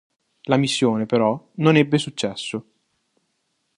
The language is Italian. La missione, però, non ebbe successo.